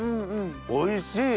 おいしい！